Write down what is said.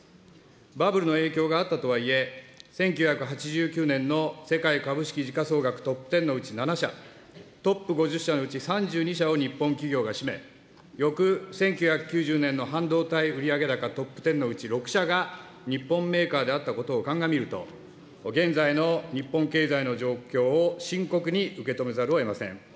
バブルの影響があったとはいえ、１９８９年の世界株式時価総額トップ１０のうち７社、トップ５０社のうち３２社を日本企業が占め、翌１９９０年の半導体売り上げ高トップ１０のうち６社が日本メーカーであったことを鑑みると、現在の日本経済の状況を深刻に受け止めざるをえません。